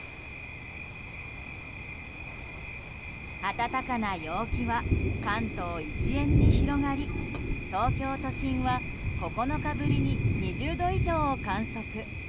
暖かな陽気は関東一円に広がり東京都心は９日ぶりに２０度以上を観測。